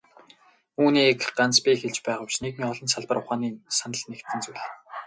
Үүнийг ганц би хэлж байгаа биш, нийгмийн олон салбар ухааны санал нэгдсэн зүйл.